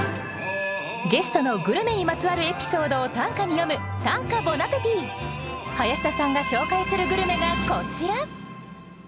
ゲストのグルメにまつわるエピソードを短歌に詠む林田さんが紹介するグルメがこちら！